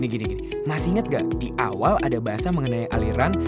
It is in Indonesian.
gini gini masih ingat gak di awal ada bahasa mengenai aliran